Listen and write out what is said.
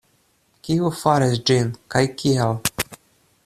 Kiu faris ĝin, kaj kial?